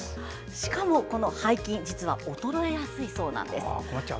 しかも背筋、実は衰えやすいそうなんです。